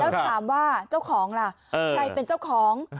แล้วถามว่าเจ้าของล่ะใครเป็นเจ้าของ